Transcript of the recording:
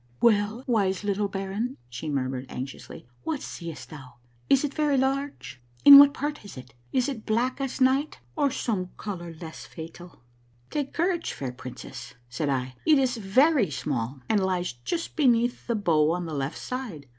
" Well, wise little baron," she murmured anxiously, " what seest thou? Is it very large ? In what part is it? Is it black as night or some color less fatal ?"" Take courage, fair princess," said I, '' it is very small and lies just beneath the bow on the left side.